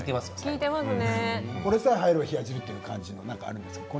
これさえ入れば冷や汁というのはあるんですか？